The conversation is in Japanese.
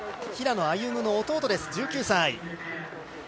平野歩夢の弟です、１９歳。